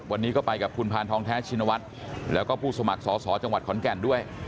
วันนี้ก็ไปกับคุณพานทองแท้ชินวัฒน์แล้วก็ผู้สมัครสอสอจังหวัดขอนแก่นด้วย